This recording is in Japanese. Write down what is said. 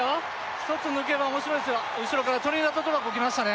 １つ抜けば面白いですが後ろからトリニダード・トバゴきましたね